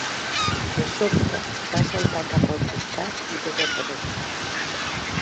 De sobte, va saltar cap al costat i desaparegué.